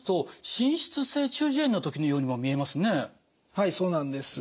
はいそうなんです。